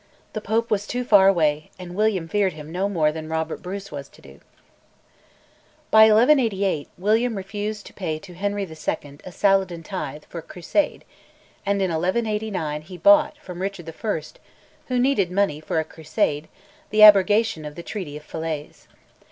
The Pope was too far away, and William feared him no more than Robert Bruce was to do. By 1188, William refused to pay to Henry II. a "Saladin Tithe" for a crusade, and in 1189 he bought from Richard I., who needed money for a crusade, the abrogation of the Treaty of Falaise.